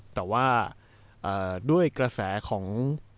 แต่ว่าด้วยกระแสของ